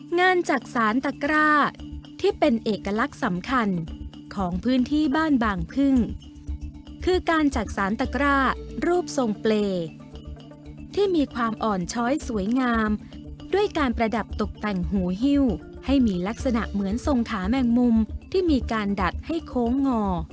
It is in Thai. งานจักษานตะกร้าที่เป็นเอกลักษณ์สำคัญของพื้นที่บ้านบางพึ่งคือการจักษานตะกร้ารูปทรงเปรย์ที่มีความอ่อนช้อยสวยงามด้วยการประดับตกแต่งหูฮิ้วให้มีลักษณะเหมือนทรงขาแมงมุมที่มีการดัดให้โค้งงอ